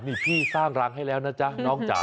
นี่พี่สร้างรังให้แล้วนะจ๊ะน้องจ๋า